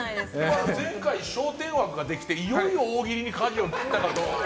前回、「笑点」枠ができていよいよ大喜利にかじを切ったのかと。